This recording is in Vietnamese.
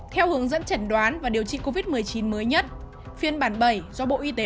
theo hướng dẫn chẩn đoán và điều trị covid một mươi chín mới nhất phiên bản bảy do bộ y tế